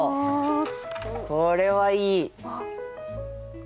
これはいい。